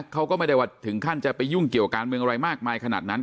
เขาก็ไม่ได้ว่าถึงขั้นจะไปยุ่งเกี่ยวการเมืองอะไรมากมายขนาดนั้น